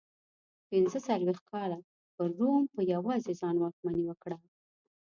پنځه څلوېښت کاله پر روم په یوازې ځان واکمني وکړه